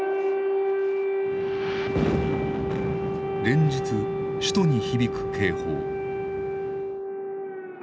連日首都に響く警報。